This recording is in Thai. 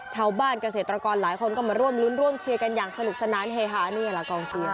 ชาวบ้านเกษตรกรหลายคนก็มาร่วมรุ้นร่วมเชียร์กันอย่างสนุกสนานเฮฮานี่แหละกองเชียร์